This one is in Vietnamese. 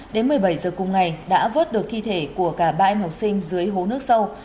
đến một mươi bảy giờ cùng ngày đã vớt được thi thể của cả ba em học sinh dưới hố nước sâu